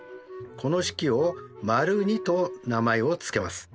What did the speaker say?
この式を②と名前を付けます。